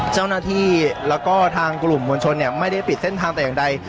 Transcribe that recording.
เจ้าหน้าที่แล้วก็ทางกลุ่มมวลชนเนี่ยไม่ได้ปิดเส้นทางแต่อย่างใด